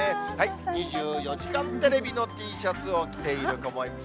２４時間テレビのＴシャツを着ている子もいます。